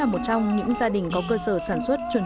mà thu trang đã có sản phẩm